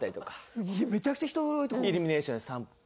イルミネーション散歩。